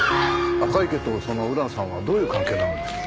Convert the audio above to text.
赤池とその浦野さんはどういう関係なのでしょう？